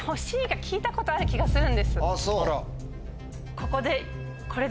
ここで。